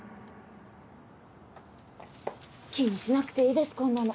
気にしなくていいですこんなの。